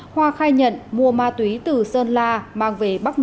hoa khai nhận mua ma túy từ sơn la